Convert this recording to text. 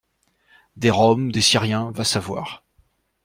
Des Roms, des Syriens, va savoir.